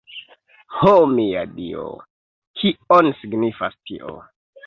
Ho, mia Dio, kion signifas tio?